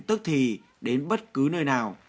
tức thì đến bất cứ nơi nào